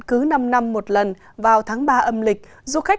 cứ năm năm một lần vào tháng ba âm lịch